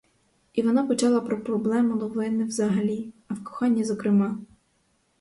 І вона почала про проблему новини взагалі, а в коханні зокрема.